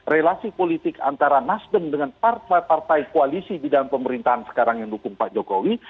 relasi politik antara nasdem dengan partai partai koalisi di dalam pemerintahan sekarang yang dukung pak jokowi